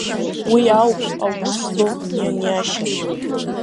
Уи ауп аус злоу, ианиашьа…